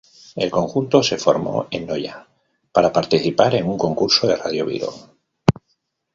El conjunto se formó en Noya, para participar en un concurso de Radio Vigo.